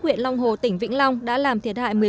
huyện long hồ tỉnh vĩnh long đã làm thiệt hại